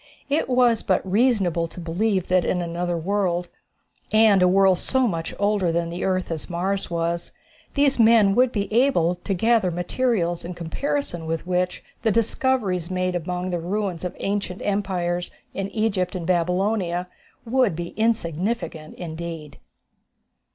It was but reasonable to believe that in another world, and a world so much older than the earth as Mars was, these men would be able to gather materials in comparison with which the discoveries made among the ruins of ancient empires in Egypt and Babylonia would be insignificant indeed.